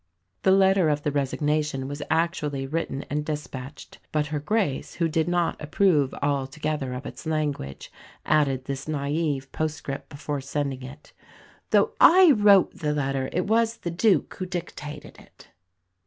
The letter of resignation was actually written and despatched; but Her Grace, who did not approve altogether of its language, added this naive postscript before sending it, "Though I wrote the letter, it was the Duke who dictated it."